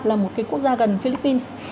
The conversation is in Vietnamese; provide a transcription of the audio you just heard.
là một cái quốc gia gần philippines